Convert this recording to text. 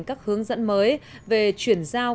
các hướng dẫn mới về chuyển giao